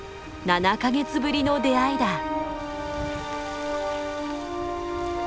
７か月ぶりの出会いだ。